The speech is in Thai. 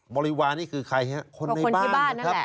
บริวารนี่คือใครนะครับ